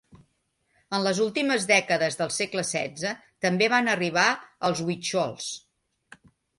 En les últimes dècades del segle XVI també van arribar els huitxols.